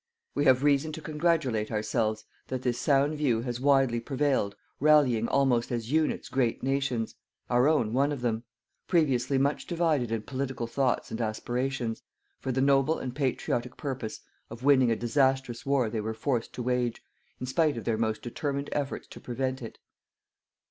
We have reason to congratulate ourselves that this sound view has widely prevailed rallying almost as units great nations, our own one of them previously much divided in political thoughts and aspirations, for the noble and patriotic purpose of winning a disastrous war they were forced to wage, in spite of their most determined efforts to prevent it.